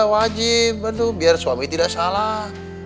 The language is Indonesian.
wajib aduh biar suami tidak salah